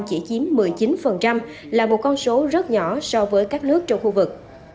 chỉ chiếm một mươi chín là một con số rất nhỏ so với các nước trong khu vực